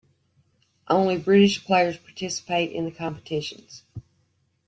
Only British players participated in the competitions.